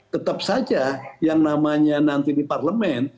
tetap saja yang namanya nanti di parlemen